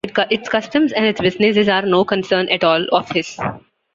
Its customs and its businesses are no concern at all of his.